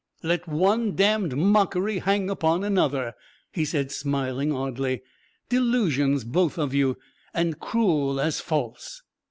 "Let one damned mockery hang upon another," he said smiling oddly. "Delusions, both of you, and cruel as false!"